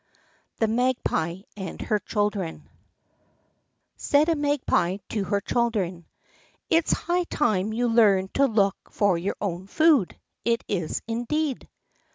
The Magpie and her Children Said a Magpie to her children: "It's high time you learned to look for your own food; it is indeed."